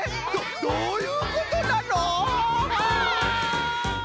どどういうことなの！？